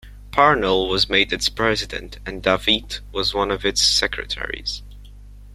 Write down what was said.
Parnell was made its president and Davitt was one of its secretaries.